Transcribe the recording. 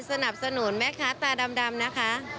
สนับสนุนแม่ค้าตาดำนะคะ